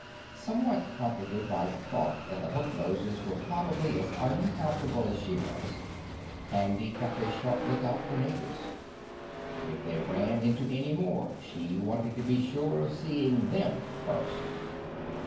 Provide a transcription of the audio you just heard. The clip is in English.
Somewhat comforted by the thought that the Hook Noses were probably as uncomfortable as she was, Handy kept a sharp lookout for natives. If they ran into any more she wanted to be sure of seeing them first.